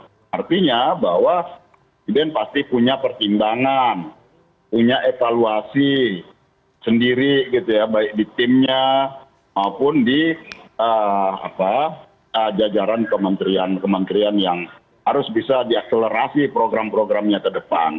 artinya bahwa presiden pasti punya pertimbangan punya evaluasi sendiri gitu ya baik di timnya maupun di jajaran kementerian kementerian yang harus bisa diakselerasi program programnya ke depan